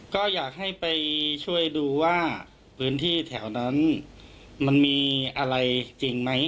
ก็อยากให้ไปช่วยดูว่าพื้นที่แถวนั้นมันมีอะไรจริงไหม